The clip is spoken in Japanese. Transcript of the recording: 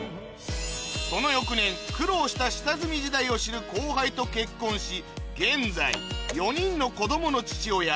その翌年苦労した下積み時代を知る後輩と結婚し現在４人の子供の父親